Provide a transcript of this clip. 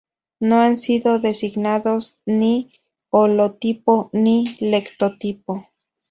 No han sido designados ni holotipo, ni lectotipo.